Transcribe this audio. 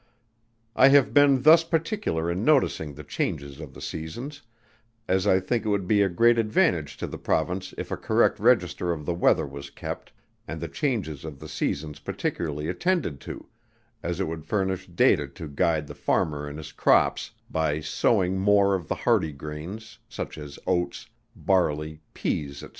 I have been thus particular in noticing the changes of the seasons, as I think it would be a great advantage to the Province if a correct register of the weather was kept, and the changes of the seasons particularly attended to, as it would furnish data to guide the farmer in his crops, by sowing more of the hardy grains, such as oats, barley, peas, &c.